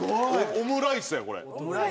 オムライスやこれ。